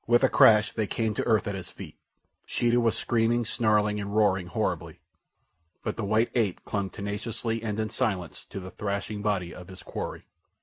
With a crash they came to earth at his feet. Sheeta was screaming, snarling, and roaring horribly; but the white ape clung tenaciously and in silence to the thrashing body of his quarry.